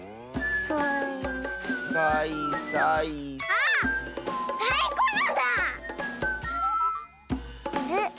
あれ？